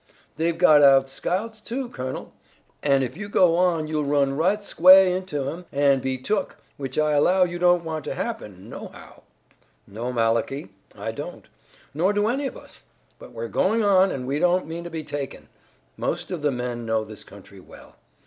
They've got out scouts, too, colonel, an' if you go on you'll run right squah into 'em an' be took, which I allow you don't want to happen, nohow." "No, Malachi, I don't, nor do any of us, but we're going on and we don't mean to be taken. Most of the men know this country well.